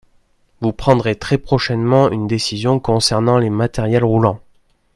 Vous prendrez très prochainement une décision concernant les matériels roulants.